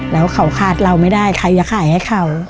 แล้วเขาขาดเราไม่ได้ใครจะขายให้เขา